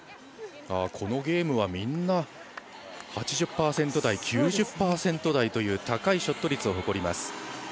このゲームはみんな８０％台、９０％台という高いショット率を誇ります。